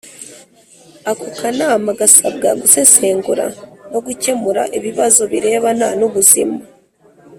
Ako Kanama gasabwa gusesengura no gukemura ibibazo birebana n’ubuzima